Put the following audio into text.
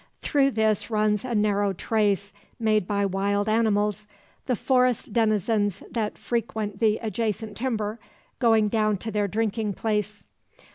Through this runs a narrow trace made by wild animals, the forest denizens that frequent the adjacent timber, going down to their drinking place.